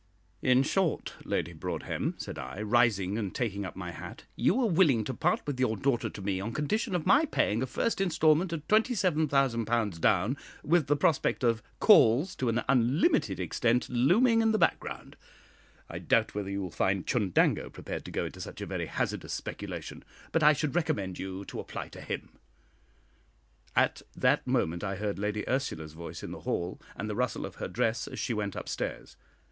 "In short, Lady Broadhem," said I, rising and taking up my hat, "you are willing to part with your daughter to me on condition of my paying a first instalment of £27,000 down, with the prospect of 'calls' to an unlimited extent looming in the background. I doubt whether you will find Chundango prepared to go into such a very hazardous speculation, but I should recommend you to apply to him." At that moment I heard Lady Ursula's voice in the hall, and the rustle of her dress as she went up stairs.